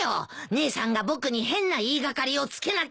姉さんが僕に変な言い掛かりをつけなければ。